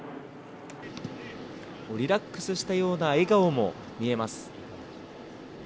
リラックスしたような笑顔も見えます。